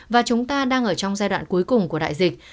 và chúng ta đang ở trong giai đoạn cuối cùng của đại dịch